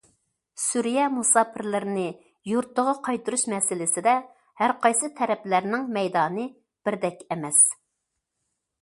سۈرىيە مۇساپىرلىرىنى يۇرتىغا قايتۇرۇش مەسىلىسىدە ھەرقايسى تەرەپلەرنىڭ مەيدانى بىردەك ئەمەس.